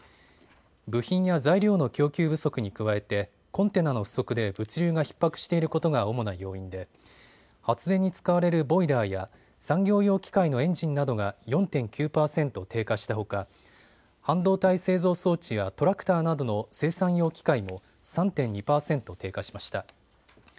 部品や材料の供給不足に加えてコンテナの不足で物流がひっ迫していることが主な要因で発電に使われるボイラーや産業用機械のエンジンなどが４．９％低下したほか半導体製造装置やトラクターなどの生産用機械も３．２％低下しました。